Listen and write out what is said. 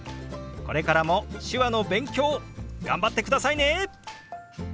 これからも手話の勉強頑張ってくださいね！